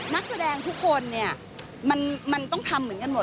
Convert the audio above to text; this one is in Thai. นักแสดงทุกคนเนี่ยมันต้องทำเหมือนกันหมด